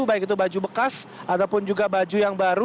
baik itu baju bekas ataupun juga baju yang baru